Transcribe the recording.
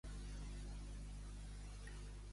Per què es relaciona la torxa amb Demèter?